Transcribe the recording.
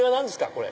これ。